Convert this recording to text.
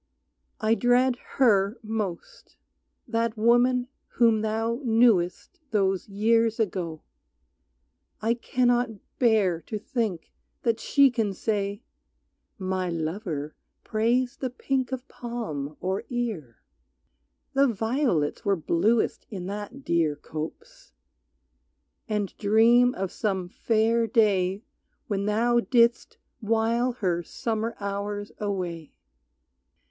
I dread her most, that woman whom thou knewest Those years ago, I cannot bear to think That she can say: "My lover praised the pink Of palm, or ear," "The violets were bluest In that dear copse," and dream of some fair day When thou didst while her summer hours away.